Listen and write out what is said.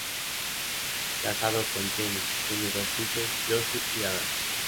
Casado con Jenny, tiene dos hijos, Josie y Adam.